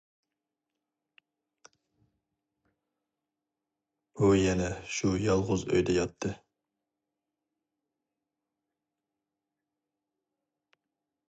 ئۇ يەنە شۇ يالغۇز ئۆيدە ياتتى.